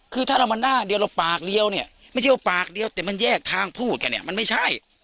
คือถ้าเรามาหน้าเดียวเราปากเดียวเนี่ยไม่ใช่ว่าปากเดียวแต่มันแยกทางพูดกันเนี่ยมันไม่ใช่